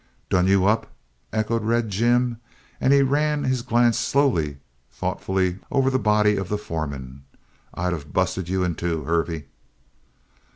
"Done you up?" echoed Red Jim. And he ran his glance slowly, thoughtfully over the body of the foreman. "I'd of busted you in two, Hervey."